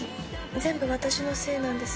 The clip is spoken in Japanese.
全部私のせいなんです。